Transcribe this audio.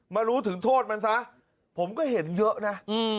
รู้ถึงโทษมันซะผมก็เห็นเยอะนะ